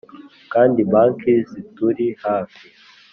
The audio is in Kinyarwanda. kandi banki zituri hafi,